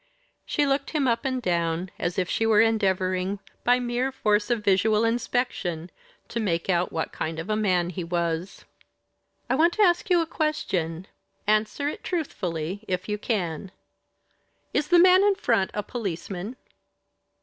She looked him up and down, as if she were endeavouring, by mere force of visual inspection, to make out what kind of a man he was. "I want to ask you a question. Answer it truthfully, if you can. Is the man in front a policeman?"